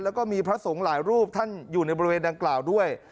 แล้วก็มีพระสงฆ์หลายรูปท่านอยู่ในบริเวณดังกล่าวด้วย